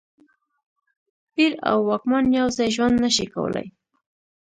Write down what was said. پیر او واکمن یو ځای ژوند نه شي کولای.